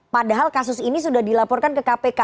padahal kasus ini sudah dilaporkan ke kpk